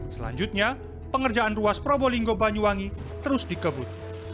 selanjutnya pengerjaan ruas probolinggo banyuwangi terus dikebut